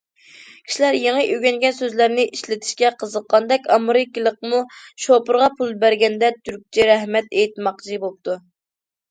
كىشىلەر يېڭى ئۆگەنگەن سۆزلەرنى ئىشلىتىشكە قىزىققاندەك، ئامېرىكىلىقمۇ شوپۇرغا پۇل بەرگەندە تۈركچە رەھمەت ئېيتماقچى بوپتۇ.